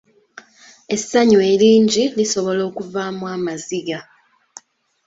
Essanyu eringi lisobola okuvaamu amaziga.